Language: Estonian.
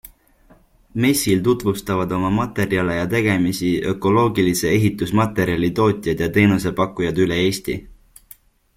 Messil tutvustavad oma materjale ja tegemisi ökoloogilise ehitusmaterjali tootjad ja teenusepakkujad üle Eesti.